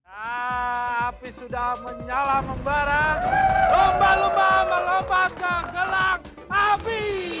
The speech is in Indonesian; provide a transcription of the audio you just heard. api sudah menyala membara lomba lomba merobotnya gelap api